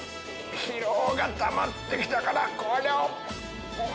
疲労がたまってきたからこれを。